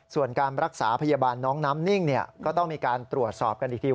ส่วนการรักษาพยาบาลน้องน้ำนิ่งก็ต้องมีการตรวจสอบกันอีกที